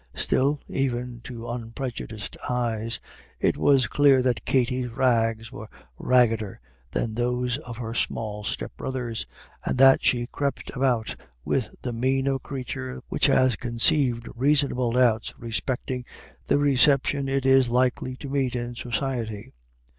Still, even to unprejudiced eyes, it was clear that Katty's rags were raggeder than those of her small step brothers, and that she crept about with the mien of a creature which has conceived reasonable doubts respecting the reception it is likely to meet in society.